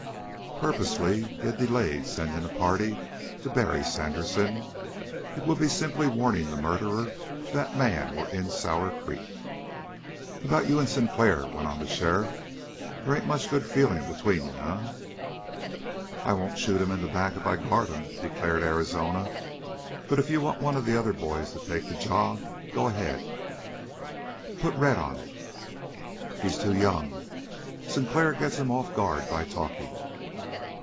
Purposely he had delayed sending the party to bury Sandersen. It would be simply warning the murderer if that man were in Sour Creek. "About you and Sinclair," went on the sheriff, "there ain't much good feeling between you, eh?" "I won't shoot him in the back if I guard him," declared Arizona. "But if you want one of the other boys to take the jog, go ahead. Put Red on it." "He's too young. Sinclair's get him off guard by talking."